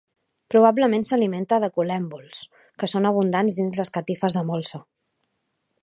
Probablement s'alimenta de col·lèmbols que són abundants dins les catifes de molsa.